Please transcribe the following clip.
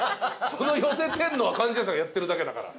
その寄せてんのは貫地谷さんやってるだけだから。